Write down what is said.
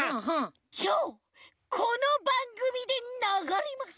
きょうこのばんぐみでながれます。